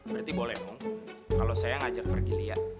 berarti boleh dong kalau saya ngajak pergi lihat